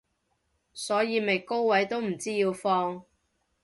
所以咪高位都唔知要放